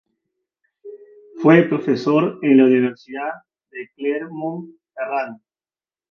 Fue profesor en la Universidad de Clermont-Ferrand.